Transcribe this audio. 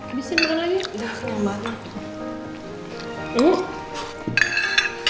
abisin makan aja